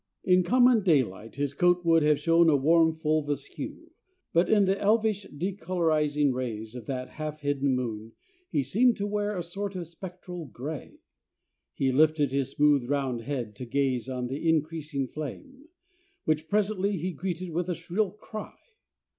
In common daylight his coat would have shown a warm fulvous hue, but in the elvish decolorizing rays of that half hidden moon he seemed to wear a sort of spectral gray. He lifted his smooth round head to gaze on the increasing flame, which presently he greeted with a shrill cry.